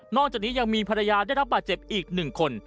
จากนี้ยังมีภรรยาได้รับบาดเจ็บอีก๑คน